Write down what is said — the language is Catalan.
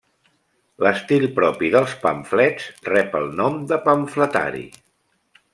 L'estil propi dels pamflets rep el nom de pamfletari.